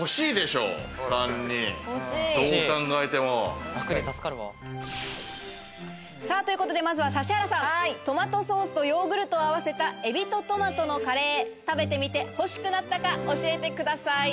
３人どう考えても。ということでまずは指原さんトマトソースとヨーグルトを合わせたえびとトマトのカレー食べてみて欲しくなったか教えてください。